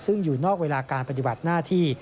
ซึ่งอยู่นอกเวลาการปฏิบัติหน้าที่